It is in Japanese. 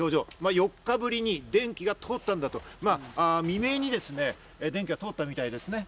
４日ぶりに電気が通ったんだと、未明に電気が通ったみたいですね。